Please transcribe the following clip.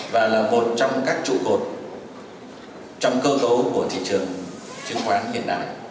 và là một trong các trụ cột trong cơ cấu của thị trường chứng khoán hiện đại